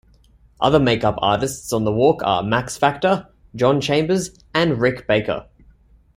Other make-up artists on the walk are Max Factor, John Chambers and Rick Baker.